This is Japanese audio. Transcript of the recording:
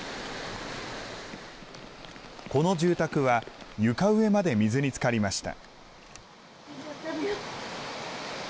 この住宅は、床上まで水につかりました。